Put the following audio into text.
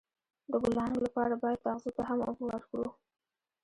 د ګلانو لپاره باید اغزو ته هم اوبه ورکړو.